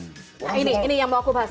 nah ini yang mau aku bahas